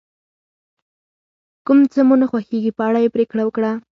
کوم څه مو نه خوښیږي په اړه یې پرېکړه وکړه.